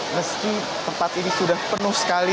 meski tempat ini sudah penuh sekali